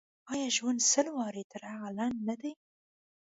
آیا ژوند سل واره تر هغه لنډ نه دی.